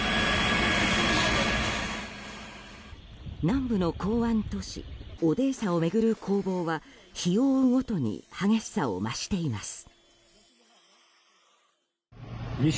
南部の港湾都市オデーサを巡る攻防は日を追うごとに激しさを増しています。